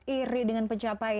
iri dengan pencapaian